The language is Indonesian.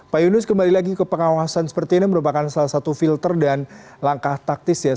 pak yunus kembali lagi ke pengawasan seperti ini merupakan salah satu filter dan langkah taktis ya